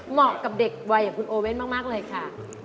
เหมาะกับเด็กวัยอย่างคุณโอเว่นมากเลยค่ะ